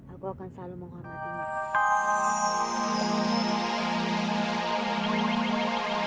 aku akan selalu menghormatinya